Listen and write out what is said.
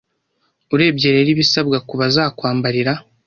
Urebye rero ibisabwa ku bazakwambarira